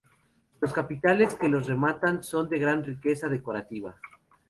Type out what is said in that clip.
Los capiteles que los rematan son de gran riqueza decorativa.